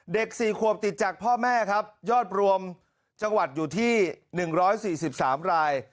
๔ขวบติดจากพ่อแม่ครับยอดรวมจังหวัดอยู่ที่๑๔๓ราย